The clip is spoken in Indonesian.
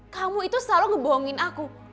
kamu itu selalu ngebongin aku